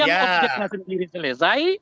yang objeknya sendiri selesai